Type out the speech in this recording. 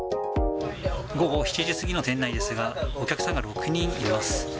午後７時過ぎの店内ですが、お客さんが６人います。